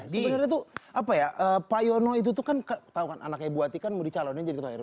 sebenarnya tuh apa ya pak yono itu tuh kan tau kan anaknya buati kan mau di calonin jadi ketua rw